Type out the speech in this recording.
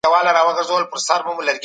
د سیمو ترمنځ انډول څنګه ساتل کېږي؟